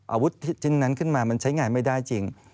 อาวุธชิ้นนั้นขึ้นมามันใช้งานไม่ได้จริง